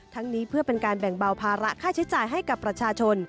นี้เพื่อเป็นการแบ่งเบาภาระค่าใช้จ่ายให้กับประชาชน